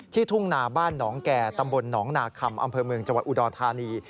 ทุ่งนาบ้านหนองแก่ตำบลหนองนาคำอำเภอเมืองจังหวัดอุดรธานี